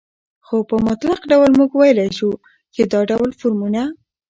خو په مطلق ډول موږ وويلى شو، چې دا ډول فورمونه